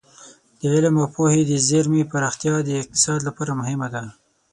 د علم او پوهې د زېرمې پراختیا د اقتصاد لپاره مهمه ده.